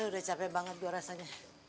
udah capek banget gue rasanya